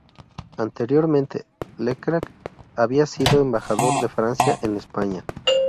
Anteriormente, Leclercq había sido embajador de Francia en España.